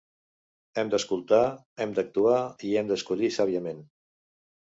Hem d’escoltar, hem d’actuar i hem d’escollir sàviament.